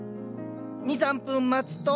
２３分待つと。